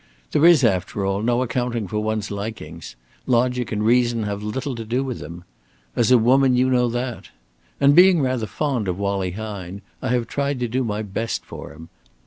There is, after all, no accounting for one's likings. Logic and reason have little to do with them. As a woman you know that. And being rather fond of Wallie Hine, I have tried to do my best for him.